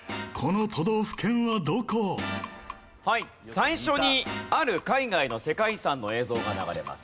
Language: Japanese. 最初にある海外の世界遺産の映像が流れます。